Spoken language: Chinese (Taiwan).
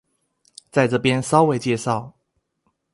在這邊稍微介紹